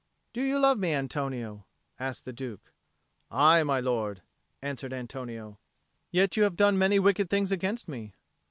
"Do you love me, Antonio?" asked the Duke. "Aye, my lord," answered Antonio. "Yet you have done many wicked things against me."